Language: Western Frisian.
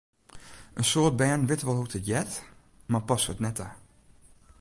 In soad bern witte wol hoe't it heart, mar passe it net ta.